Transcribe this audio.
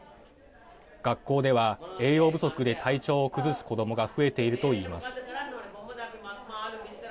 学校では栄養不足で体調を崩す子どもが増えていると言います。